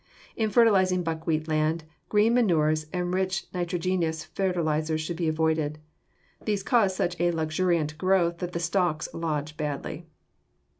In fertilizing buckwheat land, green manures and rich nitrogenous fertilizers should be avoided. These cause such a luxuriant growth that the stalks lodge badly.